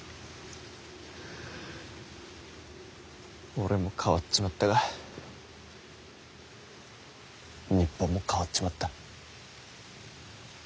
俺も変わっちまったが日本も変わっちまった。